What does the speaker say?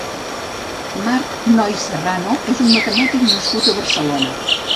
Marc Noy Serrano és un matemàtic nascut a Barcelona.